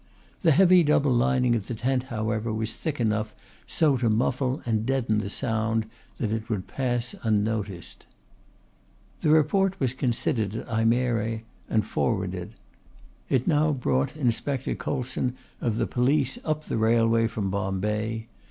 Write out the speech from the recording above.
The heavy double lining of the tent however was thick enough so to muffle and deaden the sound that it would pass unnoticed. The report was considered at Ajmere and forwarded. It now brought Inspector Coluson of the Police up the railway from Bombay.